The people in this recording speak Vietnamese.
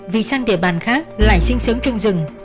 vì sang địa bàn khác lại xinh xứng trong rừng